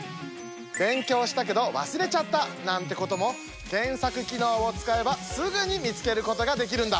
勉強したけど忘れちゃった！なんてことも検索機能を使えばすぐに見つけることができるんだ！